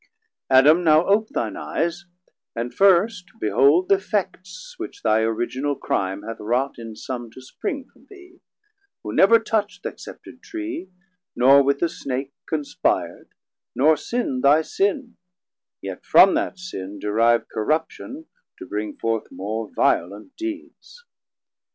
Adam, now ope thine eyes, and first behold Th' effects which thy original crime hath wrought In some to spring from thee, who never touch'd Th' excepted Tree, nor with the Snake conspir'd, Nor sinn'd thy sin, yet from that sin derive Corruption to bring forth more violent deeds.